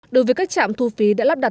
đối với các trạm thu phí đã lắp đặt